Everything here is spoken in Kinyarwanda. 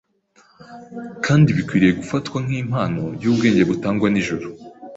kandi bikwiriye gufatwa nk’impano y’ubwenge butangwa n’ijuru.